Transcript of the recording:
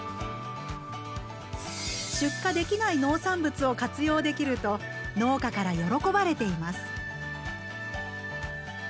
出荷できない農産物を活用できると農家から喜ばれています。